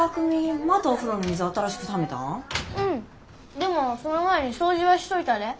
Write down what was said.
でもその前に掃除はしといたで。